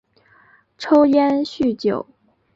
抽烟酗酒